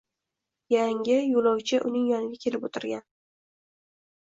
Yangi yo’lovchi uning yoniga kelib o’tirgan